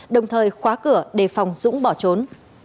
đồng thời khóa cửa để phòng dũng bỏ trốn